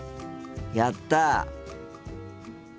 やった！